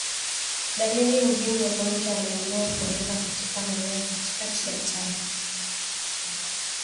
Dalili muhimu ya ugonjwa wa majimoyo ni kuvimba katika maeneo ya katikati ya taya